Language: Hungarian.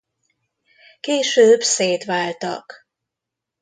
Később szétváltak.